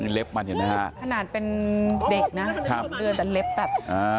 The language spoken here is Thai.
นี่เล็บมันเห็นมั้ยฮะขนาดเป็นเด็กนะแต่เล็บแบบ